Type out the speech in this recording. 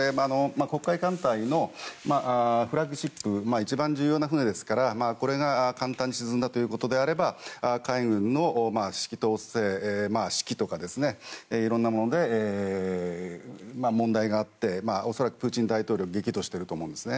黒海艦隊のフラッグシップ一番重要な船ですからこれが簡単に沈んだということであれば海軍の指揮統制とかいろんなもので、問題があって恐らくプーチン大統領は激怒していると思います。